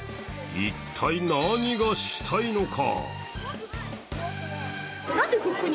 一体何がしたいのか？